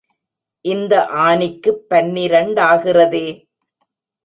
இந்த ஆனிக்குப் பன்னிரண்டாகிறதே.